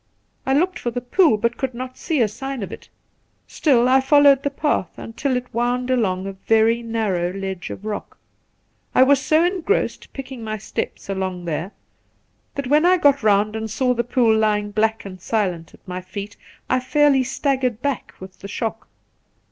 I looked for the pool, but could not see a sign of it. Still I followed the path until it wound along a very narrow ledge of rock. I was so engrossed picking my steps along there that, when I had got round and saw the pool lying black and silent at my feet, I fairly staggered back with the shock.